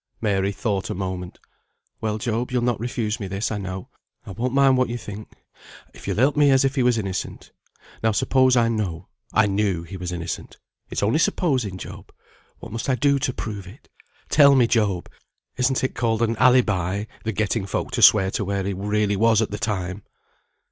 Mary thought a moment. "Well, Job, you'll not refuse me this, I know. I won't mind what you think, if you'll help me as if he was innocent. Now suppose I know I knew he was innocent, it's only supposing, Job, what must I do to prove it? Tell me, Job! Isn't it called an alibi, the getting folk to swear to where he really was at the time?"